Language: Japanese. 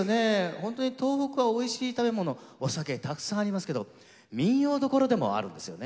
ホントに東北はおいしい食べ物お酒たくさんありますけど民謡どころでもあるんですよね。